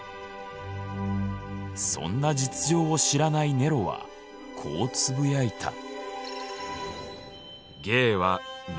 そんな実情を知らないネロはこうつぶやいた。